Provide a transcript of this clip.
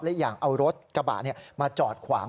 หรืออย่างเอารถกระเป๋ามาจอดขวาง